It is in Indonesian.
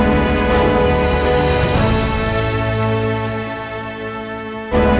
masjid di atas pegunungan